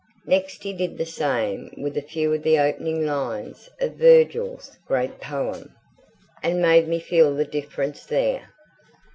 Next he did the same with a few of the opening lines of Virgil's great poem, and made me feel the difference there.